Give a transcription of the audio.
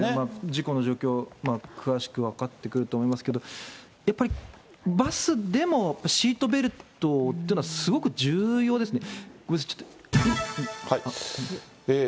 事故の状況、詳しく分かってくると思いますが、やっぱりバスでもやっぱりシートベルトっていうのは、すごく重要ですね。